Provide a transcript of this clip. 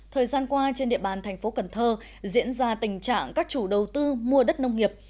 thời gian qua trên địa bàn thành phố cần thơ diễn ra tình trạng các chủ đầu tư mua đất nông nghiệp